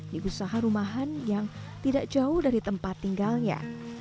di usaha rumahan yang tidak jauh dari tempat tinggalnya